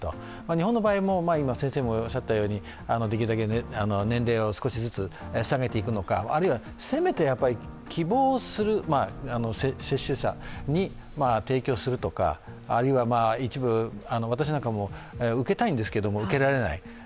日本の場合もできるだけ年齢を少しずつ下げていくのか、あるいは、せめて希望する接種者に提供するとかあるいは一部、私なんかも受けたいんですけれども、受けられない。